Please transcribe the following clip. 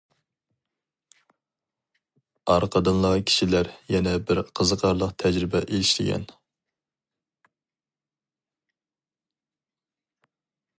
ئارقىدىنلا كىشىلەر يەنە بىر قىزىقارلىق تەجرىبە ئىشلىگەن.